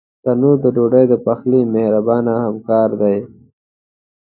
تنور د ډوډۍ د پخلي مهربان همکار دی